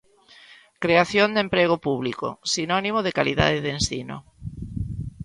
'Creación de emprego público, sinónimo de calidade de ensino'.